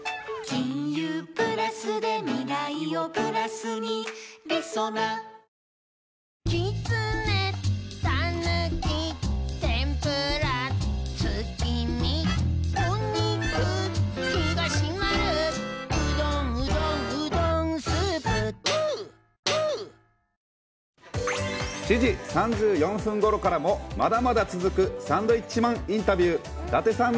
足にしっかりしがみついて、７時３４分ごろからも、まだまだ続くサンドウィッチマンインタビュー。